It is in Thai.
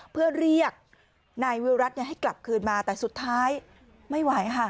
เพื่อเรียกนายวิรัติให้กลับคืนมาแต่สุดท้ายไม่ไหวค่ะ